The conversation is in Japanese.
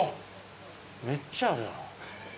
めっちゃあるやん。